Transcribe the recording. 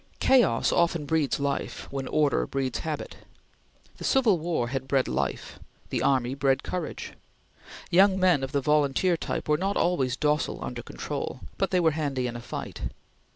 Chaos often breeds life, when order breeds habit. The Civil War had bred life. The army bred courage. Young men of the volunteer type were not always docile under control, but they were handy in a fight.